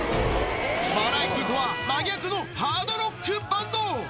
バラエティーとは真逆のハードロックバンド。